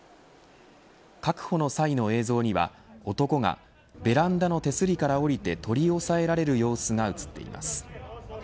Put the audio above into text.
確保の際の映像には男がベランダの手すりから降りて取り押さえられる様子が映っています。